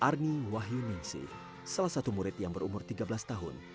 arni wahyu ningsih salah satu murid yang berumur tiga belas tahun